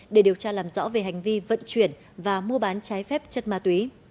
để điều tra làm rõ về hành vi vận chuyển và mua bán trái phép chất ma túy